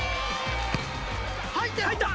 ・入った！